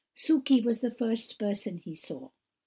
Sukey was the first person he saw.